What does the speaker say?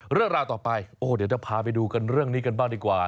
เรื่องราวต่อไปโอ้เดี๋ยวจะพาไปดูกันเรื่องนี้กันบ้างดีกว่า